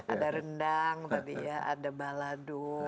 ada rendang ada balado